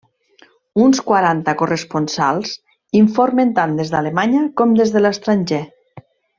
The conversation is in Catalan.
Uns quaranta corresponsals informen tant des d'Alemanya com des de l'estranger.